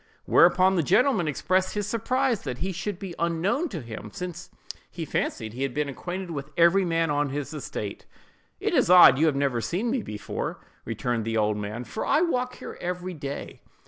Whereupon the gentleman expressed his surprise that he should be unknown to him, since he fancied he had been acquainted with every man on his estate. "It is odd you have never seen me before," returned the old man, "for I walk here every day."